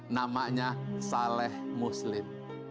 namanya saleh muslim